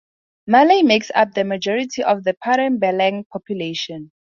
Malay makes up the majority of the Padang Balang population.